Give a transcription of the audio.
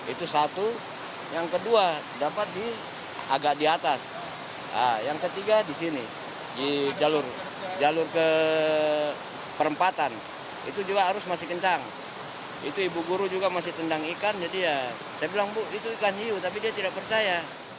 itu ibu guru juga masih tendang ikan jadi ya saya bilang bu itu ikan hiu tapi dia tidak percaya